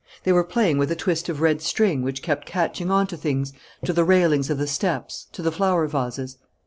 They were playing with a twist of red string which kept catching on to things, to the railings of the steps, to the flower vases.